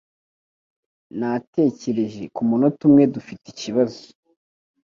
Natekereje kumunota umwe dufite ikibazo.